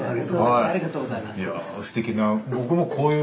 いやぁすてきな。